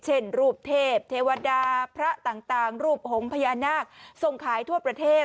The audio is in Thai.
เช่นรูปเทพเทวดาพระต่างรูปหงษ์พญานาคส่งขายทั่วประเทศ